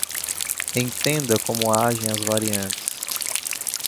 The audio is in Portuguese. Entenda como agem as variantes